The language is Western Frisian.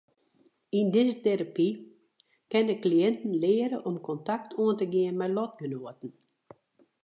Yn dizze terapy kinne kliïnten leare om kontakt oan te gean mei lotgenoaten.